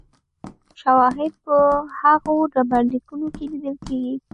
شواهد په هغو ډبرلیکونو کې لیدل کېږي